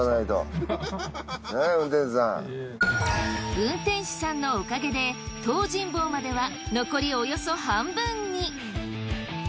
運転手さんのおかげで東尋坊までは残りおよそ半分に。